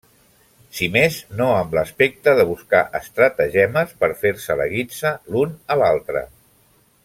Si mes no amb l'aspecte de buscar estratagemes per fer-se la guitza l'un a l'altre.